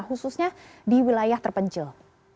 khususnya di wilayah terpencil